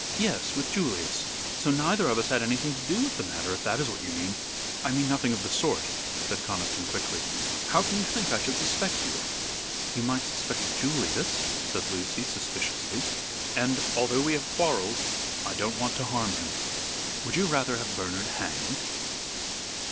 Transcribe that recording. "Yes, with Julius; so neither of us had anything to do with the matter, if that is what you mean." "I mean nothing of the sort," said Conniston, quickly. "How can you think I should suspect you?" "You might suspect Julius," said Lucy, suspiciously, "and although we have quarrelled I don't want to harm him." "Would you rather have Bernard hanged?"